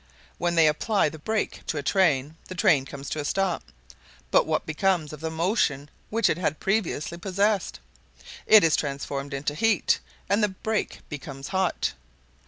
When they apply the brake to a train, the train comes to a stop; but what becomes of the motion which it had previously possessed? It is transformed into heat, and the brake becomes hot.